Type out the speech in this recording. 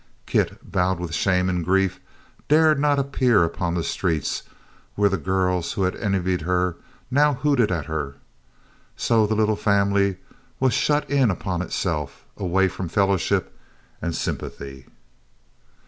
Kit, bowed with shame and grief, dared not appear upon the streets, where the girls who had envied her now hooted at her. So the little family was shut in upon itself away from fellowship and sympathy.